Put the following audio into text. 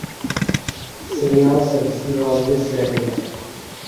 Seriál se vysílal dvě série.